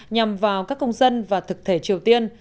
nhằm vào các công dân và thực thể triều tiên